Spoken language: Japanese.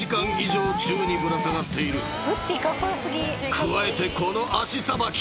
［加えてこの足さばき］